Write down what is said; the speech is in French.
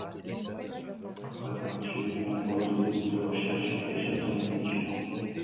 Après avoir tué les membres de l'équipe de recherche, il s'échappe dans la nature.